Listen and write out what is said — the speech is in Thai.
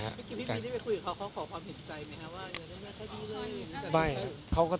เมื่อกี้พี่ฟิลได้ไปคุยกับเขาเขาขอความเห็นใจไหมคะว่า